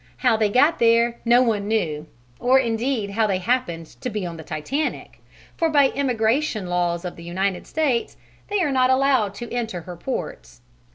How they got there no one knew or indeed how they happened to be on the Titanic, for by the immigration laws of the United States they are not allowed to enter her ports.